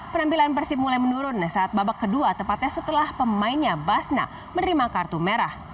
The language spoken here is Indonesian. penampilan persib mulai menurun saat babak kedua tepatnya setelah pemainnya basna menerima kartu merah